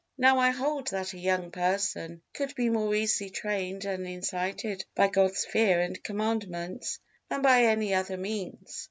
Now I hold that a young person could be more easily trained and incited by God's fear and commandments than by any other means.